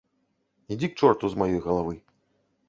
Ідзі к чорту з маёй галавы.